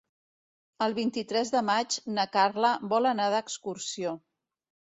El vint-i-tres de maig na Carla vol anar d'excursió.